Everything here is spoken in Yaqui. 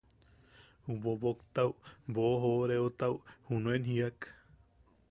Ju boboktau boʼojoreotau junen jiak: